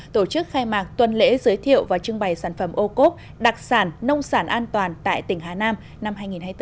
tổ chức khai mạc tuần lễ giới thiệu và trưng bày sản phẩm ô cốp đặc sản nông sản an toàn tại tỉnh hà nam năm hai nghìn hai mươi bốn